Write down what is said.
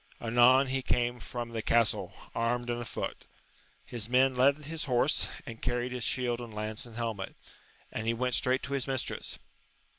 Anon he came from the castle, armed and afoot ; his men led his horse, and carried his shield and lance and helmet, and he went straight to his mistress.